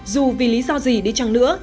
dù vì lý do gì đi chăng nữa